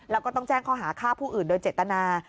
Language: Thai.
แล้วก็ต้องแจ้งข้อหาฆ่าผู้อื่นโดยเจตนา